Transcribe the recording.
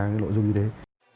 cái nội dung như đấy